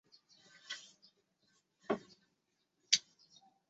惯性模式。